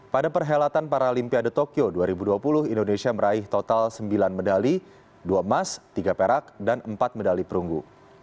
pada perhelatan paralimpiade tokyo dua ribu dua puluh indonesia meraih total sembilan medali dua emas tiga perak dan empat medali perunggu